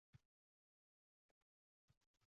Nima uchun? Odamlarda xarid qobiliyati bor